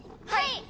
はい！